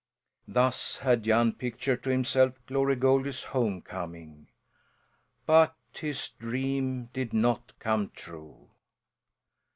Thus had Jan pictured to himself Glory Goldie's homecoming. But his dream did not come true.